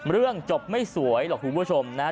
เรื่องจบไม่สวยหรอกคุณผู้ชมนะฮะ